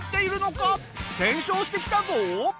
検証してきたぞ。